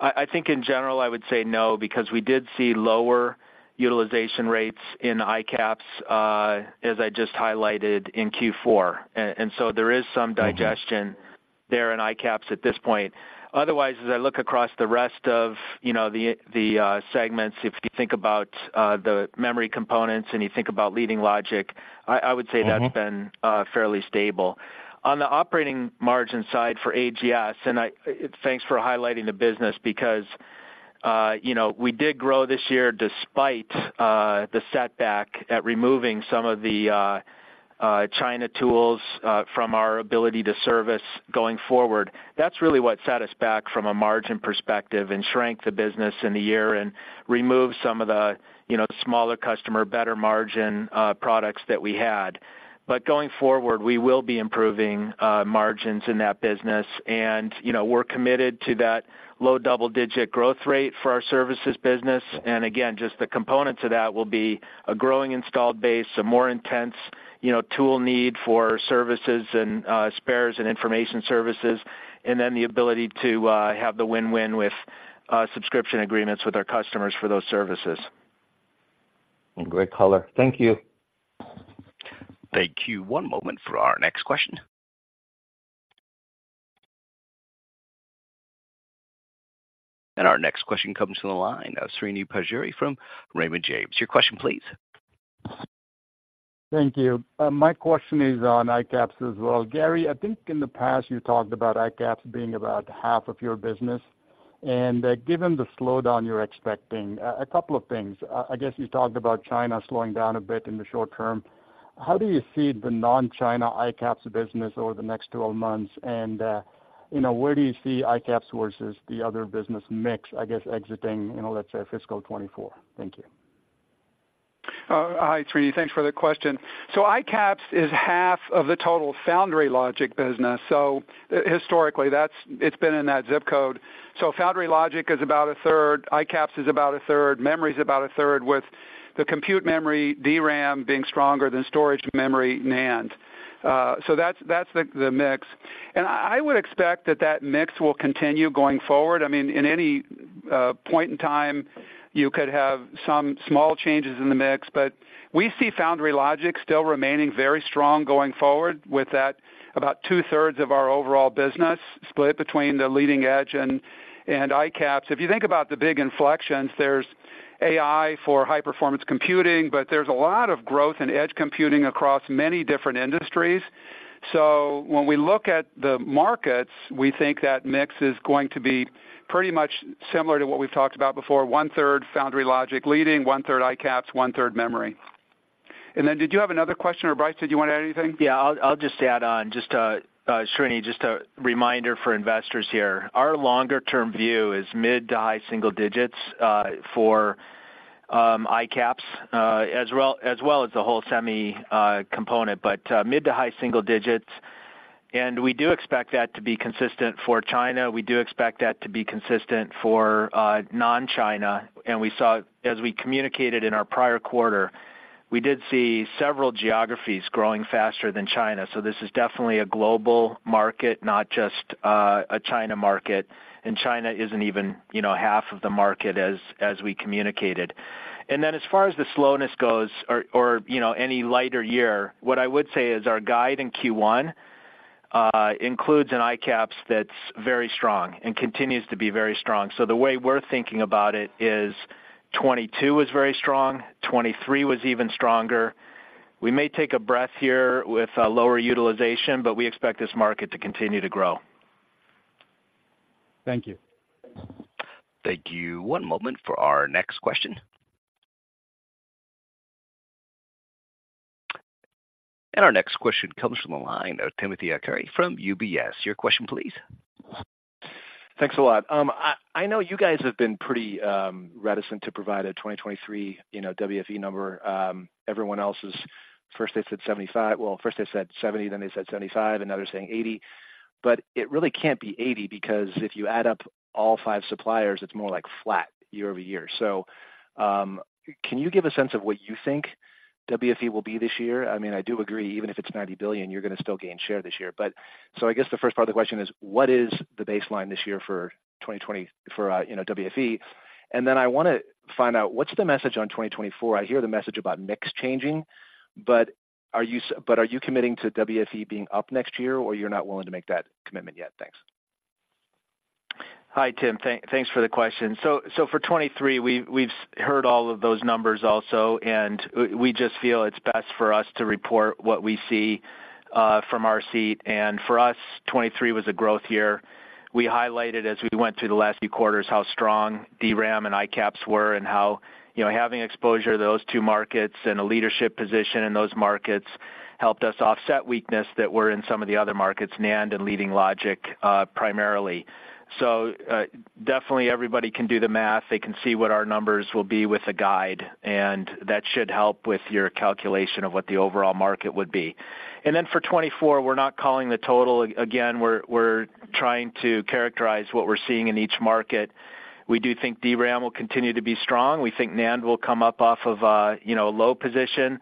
I think in general, I would say no, because we did see lower utilization rates in ICAPS, as I just highlighted in Q4. And so there is some digestion there in ICAPS at this point. Otherwise, as I look across the rest of, you know, the segments, if you think about the memory components and you think about leading logic, I would say that's been fairly stable. On the operating margin side for AGS, and thanks for highlighting the business because, you know, we did grow this year despite the setback at removing some of the China tools from our ability to service going forward. That's really what set us back from a margin perspective and shrank the business in the year and removed some of the, you know, smaller customer, better margin, products that we had. But going forward, we will be improving margins in that business. And, you know, we're committed to that low double-digit growth rate for our services business. And again, just the components of that will be a growing installed base, a more intense, you know, tool need for services and, spares and information services, and then the ability to have the win-win with subscription agreements with our customers for those services. Great color. Thank you. Thank you. One moment for our next question. Our next question comes from the line of Srini Pajjuri from Raymond James. Your question, please. Thank you. My question is on ICAPS as well. Gary, I think in the past, you talked about ICAPS being about half of your business, and, given the slowdown you're expecting, a couple of things. I guess you talked about China slowing down a bit in the short term. How do you see the non-China ICAPS business over the next 12 months? And, you know, where do you see ICAPS versus the other business mix, I guess, exiting, you know, let's say fiscal 2024? Thank you. Hi, Srini. Thanks for the question. So ICAPS is half of the total foundry logic business, so historically, it's been in that zip code. So foundry logic is about a third, ICAPS is about a third, memory is about a third, with the compute memory, DRAM, being stronger than storage memory, NAND. So that's the mix. And I would expect that that mix will continue going forward. I mean, in any point in time, you could have some small changes in the mix, but we see foundry logic still remaining very strong going forward, with that about two-thirds of our overall business split between the leading edge and ICAPS. If you think about the big inflections, there's AI for high-performance computing, but there's a lot of growth in edge computing across many different industries. When we look at the markets, we think that mix is going to be pretty much similar to what we've talked about before. One-third foundry logic leading, one-third ICAPS, one-third memory. Then did you have another question, or Brice, did you want to add anything? Yeah, I'll, I'll just add on, just to Srini, just a reminder for investors here. Our longer-term view is mid to high single digits for ICAPS, as well, as well as the whole semi component, but mid to high single digits. And we do expect that to be consistent for China. We do expect that to be consistent for non-China. And we saw, as we communicated in our prior quarter, we did see several geographies growing faster than China. So this is definitely a global market, not just a China market, and China isn't even, you know, half of the market as we communicated. And then as far as the slowness goes, or, you know, any lighter year, what I would say is our guide in Q1 includes an ICAPS that's very strong and continues to be very strong. So the way we're thinking about it is, 2022 was very strong, 2023 was even stronger. We may take a breath here with lower utilization, but we expect this market to continue to grow. Thank you. Thank you. One moment for our next question. Our next question comes from the line of Timothy Arcuri from UBS. Your question, please. Thanks a lot. I know you guys have been pretty reticent to provide a 2023, you know, WFE number. Everyone else is, first they said 75, well, first they said 70, then they said 75, and now they're saying 80. But it really can't be 80, because if you add up all five suppliers, it's more like flat year-over-year. So, can you give a sense of what you think WFE will be this year? I mean, I do agree, even if it's $90 billion, you're going to still gain share this year. But so I guess the first part of the question is, what is the baseline this year for 2020, for, you know, WFE? And then I want to find out, what's the message on 2024? I hear the message about mix changing, but are you committing to WFE being up next year, or you're not willing to make that commitment yet? Thanks. Hi, Tim. Thanks for the question. So for 2023, we've heard all of those numbers also, and we just feel it's best for us to report what we see from our seat. And for us, 2023 was a growth year. We highlighted, as we went through the last few quarters, how strong DRAM and ICAPS were and how, you know, having exposure to those two markets and a leadership position in those markets helped us offset weakness that were in some of the other markets, NAND and Leading Logic, primarily. So definitely everybody can do the math. They can see what our numbers will be with a guide, and that should help with your calculation of what the overall market would be. And then for 2024, we're not calling the total. Again, we're trying to characterize what we're seeing in each market. We do think DRAM will continue to be strong. We think NAND will come up off of a, you know, low position.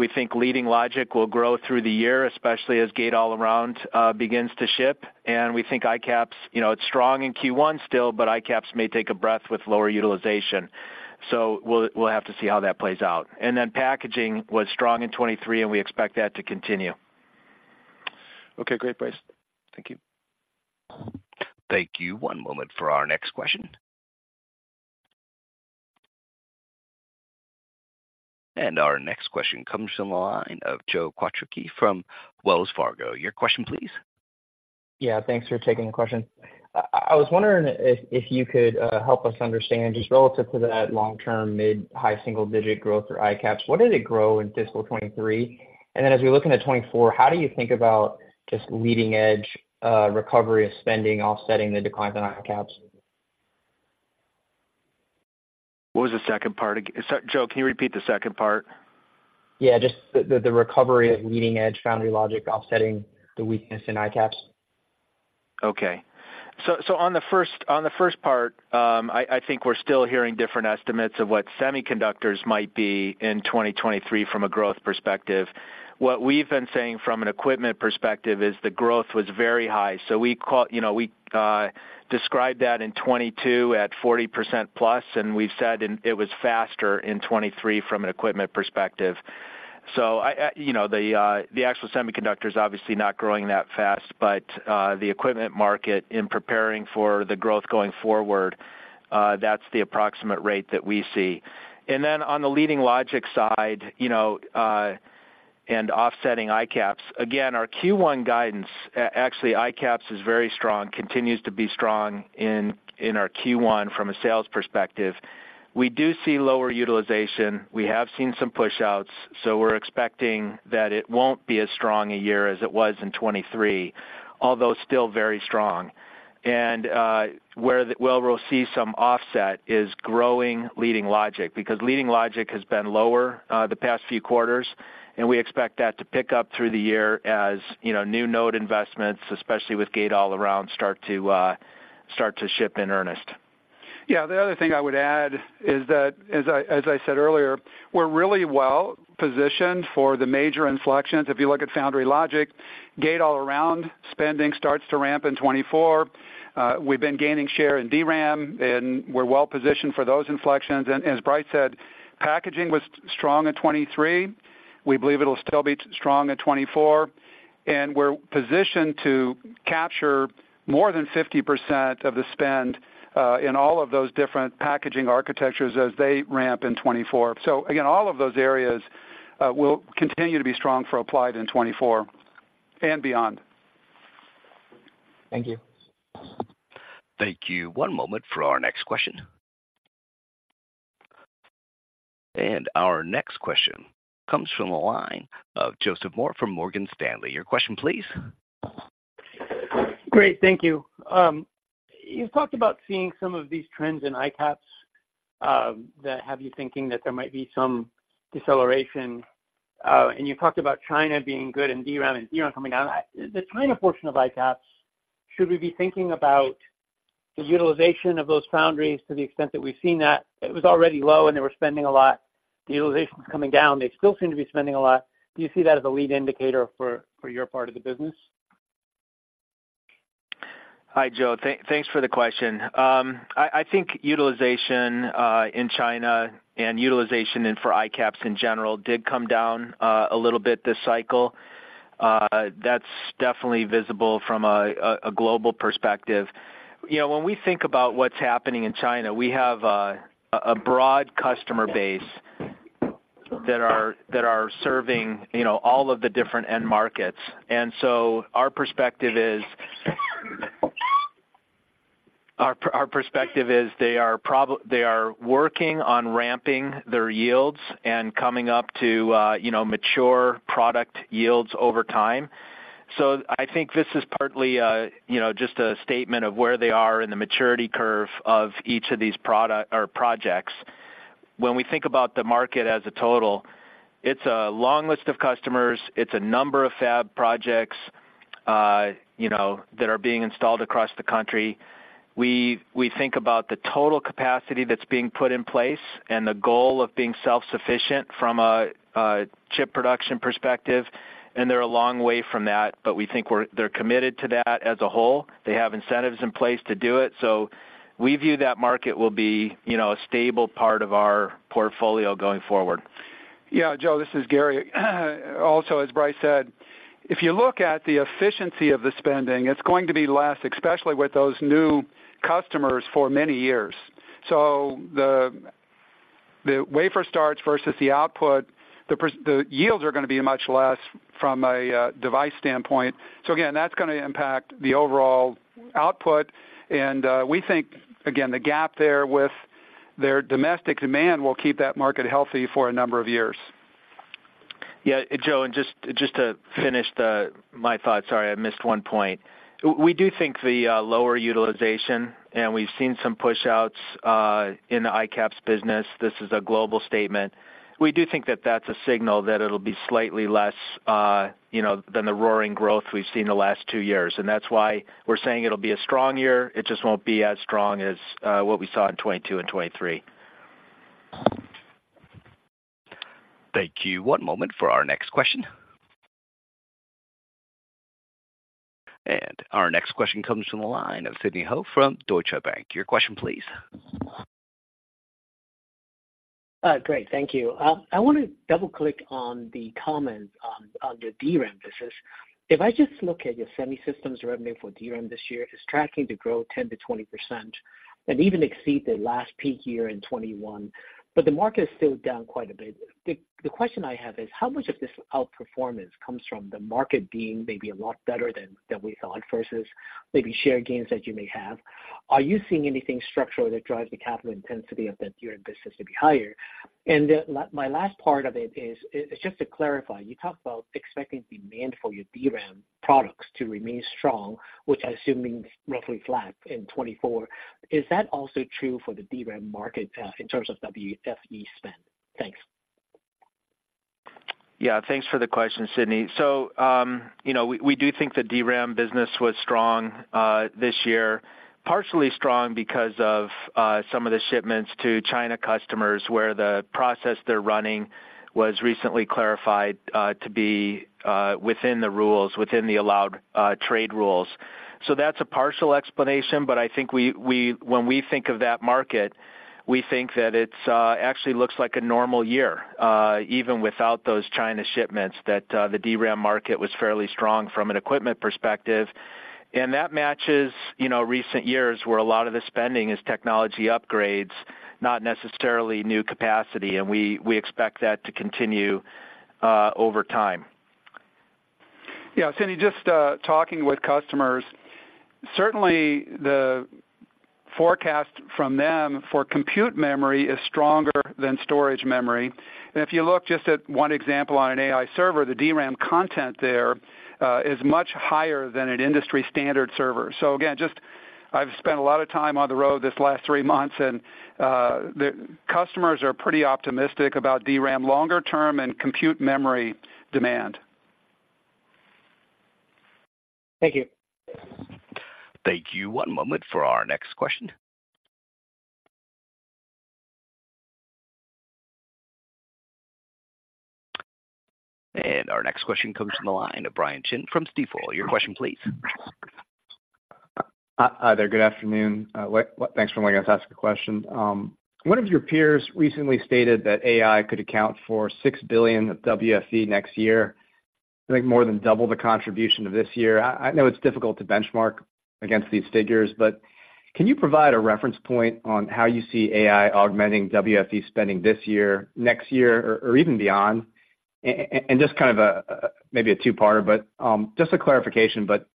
We think Leading Logic will grow through the year, especially as gate-all-around begins to ship. And we think ICAPS, you know, it's strong in Q1 still, but ICAPS may take a breath with lower utilization. So we'll, we'll have to see how that plays out. And then packaging was strong in 2023, and we expect that to continue. Okay, great, Brice. Thank you. Thank you. One moment for our next question. Our next question comes from the line of Joe Quatrochi from Wells Fargo. Your question, please. Yeah, thanks for taking the question. I was wondering if you could help us understand, just relative to that long-term mid, high single-digit growth for ICAPS, what did it grow in fiscal 2023? And then as we look into 2024, how do you think about just leading-edge recovery of spending offsetting the declines in ICAPS? What was the second part again? Sorry, Joe, can you repeat the second part? Yeah, just the recovery of leading-edge foundry logic offsetting the weakness in ICAPS. Okay. So on the first part, I think we're still hearing different estimates of what semiconductors might be in 2023 from a growth perspective. What we've been saying from an equipment perspective is the growth was very high. So we call, you know, we described that in 2022 at 40%+, and we've said it was faster in 2023 from an equipment perspective. So I, you know, the actual semiconductor is obviously not growing that fast, but the equipment market, in preparing for the growth going forward, that's the approximate rate that we see. And then on the Leading Logic side, you know, and offsetting ICAPS, again, our Q1 guidance, actually, ICAPS is very strong, continues to be strong in our Q1 from a sales perspective. We do see lower utilization. We have seen some pushouts, so we're expecting that it won't be as strong a year as it was in 2023, although still very strong. And, where we'll see some offset is growing Leading Logic, because Leading Logic has been lower, the past few quarters, and we expect that to pick up through the year as, you know, new node investments, especially with gate-all-around, start to ship in earnest.... Yeah, the other thing I would add is that, as I, as I said earlier, we're really well positioned for the major inflections. If you look at foundry logic, gate-all-around, spending starts to ramp in 2024. We've been gaining share in DRAM, and we're well positioned for those inflections. And as Brice said, packaging was strong in 2023. We believe it'll still be strong in 2024, and we're positioned to capture more than 50% of the spend in all of those different packaging architectures as they ramp in 2024. So again, all of those areas will continue to be strong for Applied in 2024 and beyond. Thank you. Thank you. One moment for our next question. Our next question comes from the line of Joseph Moore from Morgan Stanley. Your question, please. Great. Thank you. You've talked about seeing some of these trends in ICAPS, that have you thinking that there might be some deceleration, and you talked about China being good and DRAM and DRAM coming down. The China portion of ICAPS, should we be thinking about the utilization of those foundries to the extent that we've seen that? It was already low, and they were spending a lot. The utilization is coming down. They still seem to be spending a lot. Do you see that as a lead indicator for, for your part of the business? Hi, Joe. Thanks for the question. I think utilization in China and utilization for ICAPS in general did come down a little bit this cycle. That's definitely visible from a global perspective. You know, when we think about what's happening in China, we have a broad customer base that are serving you know, all of the different end markets. And so our perspective is they are working on ramping their yields and coming up to you know, mature product yields over time. So I think this is partly a you know, just a statement of where they are in the maturity curve of each of these product or projects. When we think about the market as a total, it's a long list of customers, it's a number of fab projects, you know, that are being installed across the country. We think about the total capacity that's being put in place and the goal of being self-sufficient from a chip production perspective, and they're a long way from that, but we think we're, they're committed to that as a whole. They have incentives in place to do it, so we view that market will be, you know, a stable part of our portfolio going forward. Yeah, Joe, this is Gary. Also, as Brice said, if you look at the efficiency of the spending, it's going to be less, especially with those new customers, for many years. So the wafer starts versus the output, the yields are gonna be much less from a device standpoint. So again, that's gonna impact the overall output, and we think, again, the gap there with their domestic demand will keep that market healthy for a number of years. Yeah, Joe, and just to finish my thought, sorry, I missed one point. We do think the lower utilization, and we've seen some pushouts in the ICAPS business. This is a global statement. We do think that that's a signal that it'll be slightly less, you know, than the roaring growth we've seen the last two years, and that's why we're saying it'll be a strong year. It just won't be as strong as what we saw in 2022 and 2023. Thank you. One moment for our next question. Our next question comes from the line of Sydney Ho from Deutsche Bank. Your question please. Great. Thank you. I want to double-click on the comments on the DRAM business. If I just look at your semi-systems revenue for DRAM this year, it's tracking to grow 10%-20% and even exceed the last peak year in 2021, but the market is still down quite a bit. The question I have is, how much of this outperformance comes from the market being maybe a lot better than we thought, versus maybe share gains that you may have? Are you seeing anything structural that drives the capital intensity of the DRAM business to be higher? And my last part of it is just to clarify, you talked about expecting demand for your DRAM products to remain strong, which I assume means roughly flat in 2024. Is that also true for the DRAM market in terms of WFE spend? Thanks. Yeah, thanks for the question, Sydney. So, you know, we do think the DRAM business was strong this year, partially strong because of some of the shipments to China customers, where the process they're running was recently clarified to be within the rules, within the allowed trade rules. So that's a partial explanation, but I think when we think of that market, we think that it's actually looks like a normal year even without those China shipments, that the DRAM market was fairly strong from an equipment perspective. And that matches, you know, recent years, where a lot of the spending is technology upgrades, not necessarily new capacity, and we expect that to continue over time. Yeah, Sydney, just talking with customers, certainly the forecast from them for compute memory is stronger than storage memory. And if you look just at one example on an AI server, the DRAM content there is much higher than an industry-standard server. So again, just I've spent a lot of time on the road this last three months, and the customers are pretty optimistic about DRAM longer term and compute memory demand.... Thank you. Thank you. One moment for our next question. Our next question comes from the line of Brian Chin from Stifel. Your question, please. Hi there. Good afternoon. Thanks for letting us ask a question. One of your peers recently stated that AI could account for $6 billion of WFE next year, I think more than double the contribution of this year. I know it's difficult to benchmark against these figures, but can you provide a reference point on how you see AI augmenting WFE spending this year, next year, or even beyond? And just kind of a maybe a two-parter, but just a clarification, but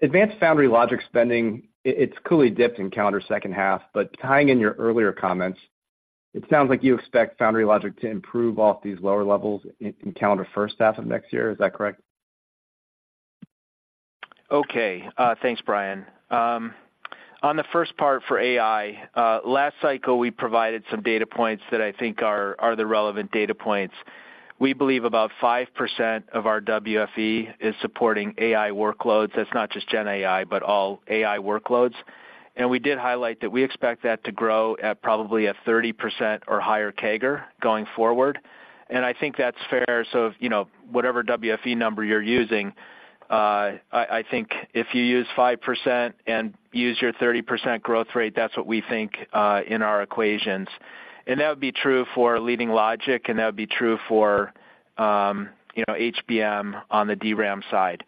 advanced foundry logic spending, it's clearly dipped in calendar second half, but tying in your earlier comments, it sounds like you expect foundry logic to improve off these lower levels in calendar first half of next year. Is that correct? Okay, thanks, Brian. On the first part for AI, last cycle, we provided some data points that I think are the relevant data points. We believe about 5% of our WFE is supporting AI workloads. That's not just Gen AI, but all AI workloads. And we did highlight that we expect that to grow at probably a 30% or higher CAGR going forward, and I think that's fair. So, you know, whatever WFE number you're using, I think if you use 5% and use your 30% growth rate, that's what we think in our equations, and that would be true for leading logic, and that would be true for, you know, HBM on the DRAM side.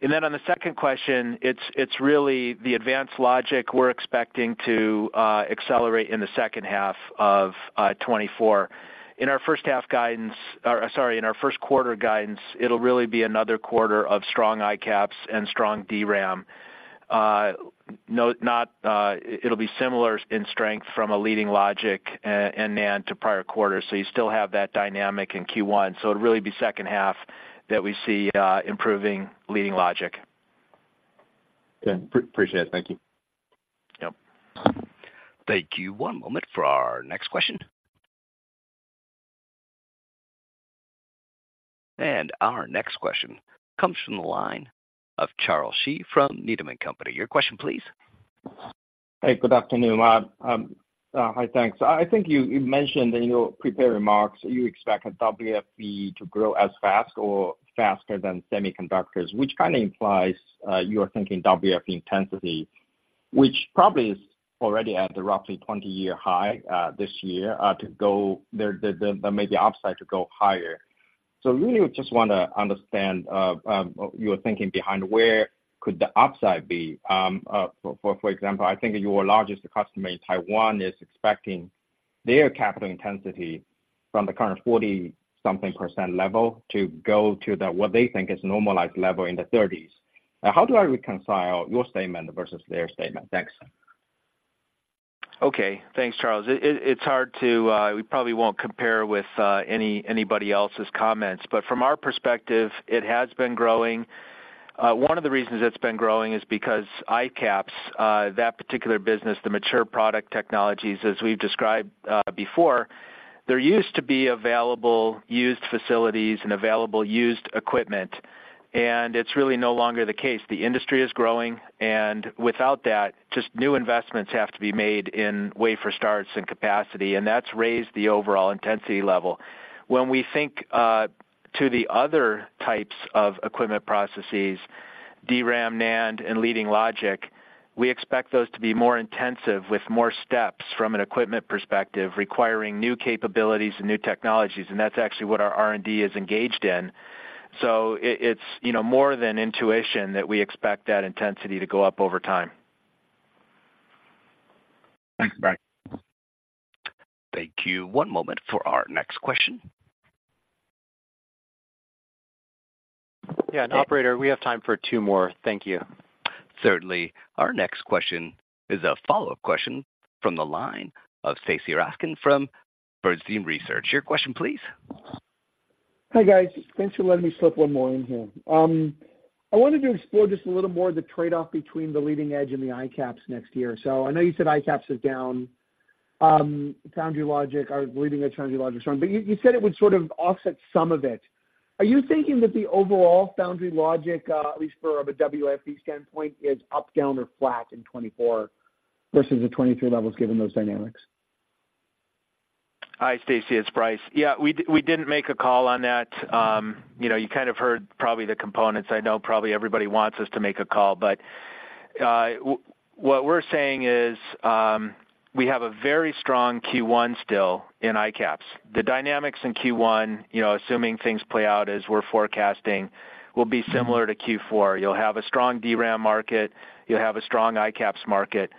And then on the second question, it's really the advanced logic we're expecting to accelerate in the second half of 2024. In our first half guidance, or sorry, in our first quarter guidance, it'll really be another quarter of strong ICAPS and strong DRAM. It'll be similar in strength from leading logic and NAND to prior quarters. So you still have that dynamic in Q1. So it'll really be second half that we see improving leading logic. Okay. Appreciate it. Thank you. Yep. Thank you. One moment for our next question. Our next question comes from the line of Charles Shi from Needham and Company. Your question please. Hey, good afternoon. Hi, thanks. I think you mentioned in your prepared remarks, you expect a WFE to grow as fast or faster than semiconductors, which kind of implies you are thinking WFE intensity, which probably is already at the roughly 20-year high this year, to go there, the maybe upside to go higher. So really, I just wanna understand your thinking behind where could the upside be? For example, I think your largest customer in Taiwan is expecting their capital intensity from the current 40-something% level to go to the what they think is normalized level in the 30s. Now, how do I reconcile your statement versus their statement? Thanks. Okay. Thanks, Charles. It's hard to compare with anybody else's comments, but from our perspective, it has been growing. One of the reasons it's been growing is because ICAPS, that particular business, the mature product technologies, as we've described before, there used to be available used facilities and available used equipment, and it's really no longer the case. The industry is growing, and without that, just new investments have to be made in wafer starts and capacity, and that's raised the overall intensity level. When we think to the other types of equipment processes, DRAM, NAND, and leading logic, we expect those to be more intensive, with more steps from an equipment perspective, requiring new capabilities and new technologies, and that's actually what our R&D is engaged in. So it's, you know, more than intuition that we expect that intensity to go up over time. Thanks, Brian. Thank you. One moment for our next question. Yeah, and operator, we have time for two more. Thank you. Certainly. Our next question is a follow-up question from the line of Stacy Rasgon from Bernstein Research. Your question please. Hi, guys. Thanks for letting me slip one more in here. I wanted to explore just a little more the trade-off between the leading edge and the ICAPS next year. So I know you said ICAPS is down, foundry logic or leading edge foundry logic is strong, but you, you said it would sort of offset some of it. Are you thinking that the overall foundry logic, at least from a WFE standpoint, is up, down, or flat in 2024 versus the 2023 levels, given those dynamics? Hi, Stacy, it's Brice. Yeah, we didn't make a call on that. You know, you kind of heard probably the components. I know probably everybody wants us to make a call, but what we're saying is, we have a very strong Q1 still in ICAPS. The dynamics in Q1, you know, assuming things play out as we're forecasting, will be similar to Q4. You'll have a strong DRAM market, you'll have a strong ICAPS market,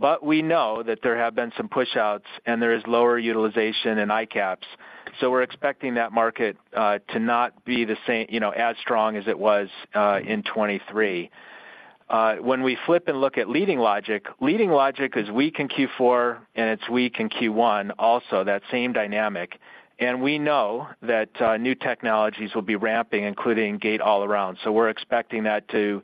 but we know that there have been some pushouts, and there is lower utilization in ICAPS, so we're expecting that market to not be the same, you know, as strong as it was in 2023. When we flip and look at leading logic, leading logic is weak in Q4, and it's weak in Q1 also, that same dynamic, and we know that new technologies will be ramping, including gate-all-around. So we're expecting that to,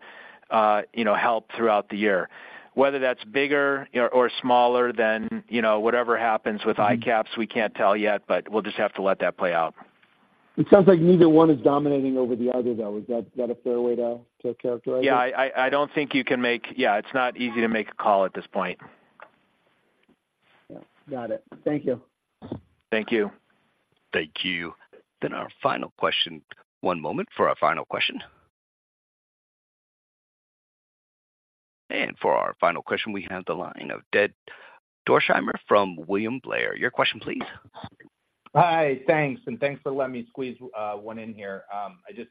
you know, help throughout the year. Whether that's bigger or, or smaller than, you know, whatever happens with ICAPS, we can't tell yet, but we'll just have to let that play out.... It sounds like neither one is dominating over the other, though. Is that a fair way to characterize it? Yeah, I don't think you can make. Yeah, it's not easy to make a call at this point. Got it. Thank you. Thank you. Thank you. Then our final question. One moment for our final question. And for our final question, we have the line of Jed Dorsheimer from William Blair. Your question, please. Hi. Thanks, and thanks for letting me squeeze one in here. I just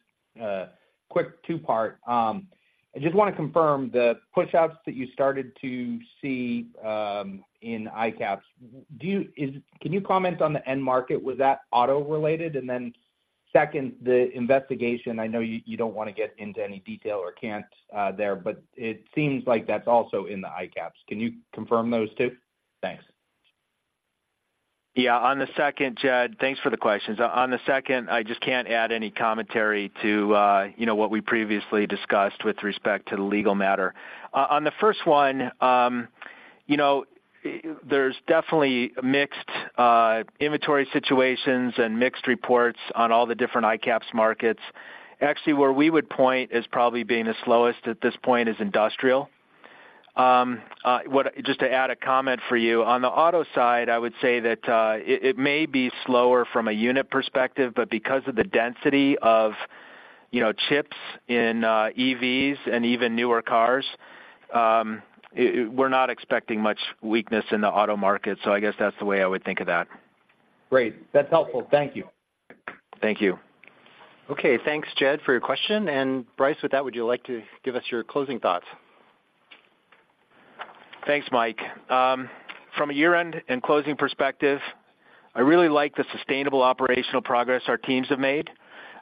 quick two-part. I just want to confirm the pushouts that you started to see in ICAPS. Do you-- Is-- Can you comment on the end market? Was that auto-related? And then second, the investigation, I know you, you don't want to get into any detail or can't there, but it seems like that's also in the ICAPS. Can you confirm those two? Thanks. Yeah, on the second, Jed, thanks for the questions. On the second, I just can't add any commentary to, you know, what we previously discussed with respect to the legal matter. On the first one, you know, there's definitely mixed, inventory situations and mixed reports on all the different ICAPS markets. Actually, where we would point as probably being the slowest at this point is industrial. Just to add a comment for you, on the auto side, I would say that, it, it may be slower from a unit perspective, but because of the density of, you know, chips in, EVs and even newer cars, it, we're not expecting much weakness in the auto market, so I guess that's the way I would think of that. Great. That's helpful. Thank you. Thank you. Okay, thanks, Jed, for your question. And Brice, with that, would you like to give us your closing thoughts? Thanks, Mike. From a year-end and closing perspective, I really like the sustainable operational progress our teams have made.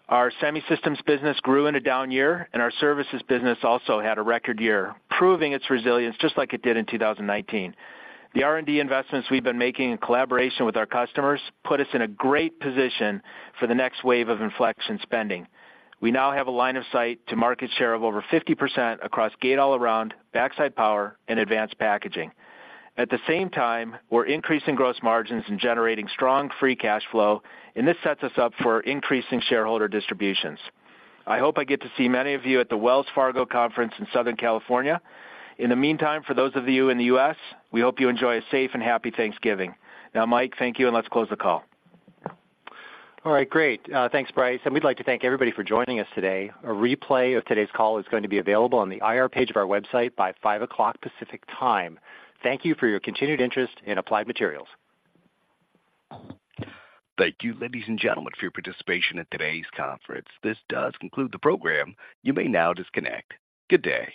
Our Semiconductor Systems business grew in a down year, and our services business also had a record year, proving its resilience, just like it did in 2019. The R&D investments we've been making in collaboration with our customers put us in a great position for the next wave of inflection spending. We now have a line of sight to market share of over 50% across gate-all-around, backside power delivery, and advanced packaging. At the same time, we're increasing gross margins and generating strong free cash flow, and this sets us up for increasing shareholder distributions. I hope I get to see many of you at the Wells Fargo Conference in Southern California. In the meantime, for those of you in the U.S., we hope you enjoy a safe and happy Thanksgiving. Now, Mike, thank you, and let's close the call. All right, great. Thanks, Brice, and we'd like to thank everybody for joining us today. A replay of today's call is going to be available on the IR page of our website by 5:00 P.M. Pacific Time. Thank you for your continued interest in Applied Materials. Thank you, ladies and gentlemen, for your participation in today's conference. This does conclude the program. You may now disconnect. Good day.